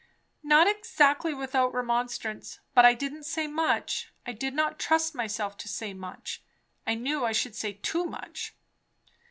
"Not exactly without remonstrance. But I didn't say much. I did not trust myself to say much. I knew I should say too much."